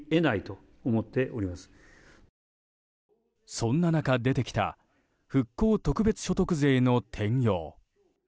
そんな中、出てきた復興特別所得税の転用。